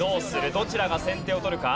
どちらが先手を取るか？